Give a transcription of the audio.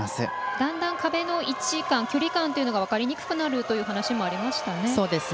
だんだん壁の位置感が分かりにくくなるというお話もありましたね。